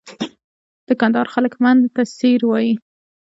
د کندهار خلک من ته سېر وایي.